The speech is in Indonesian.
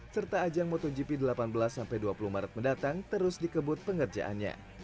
serta ajang motogp delapan belas sampai dua puluh maret mendatang terus dikebut pengerjaannya